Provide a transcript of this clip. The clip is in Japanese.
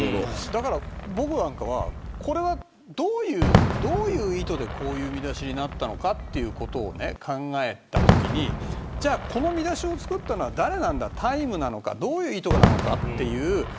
僕なんかはどういう意図でこういう見出しになったのかということを考えたときにこの見出しを作ったのは誰なんだタイムなのかどういう意図なのか。